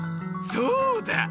そうだ！